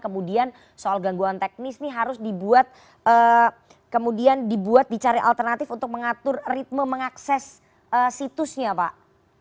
kemudian soal gangguan teknis ini harus dibuat kemudian dibuat dicari alternatif untuk mengatur ritme mengakses situsnya pak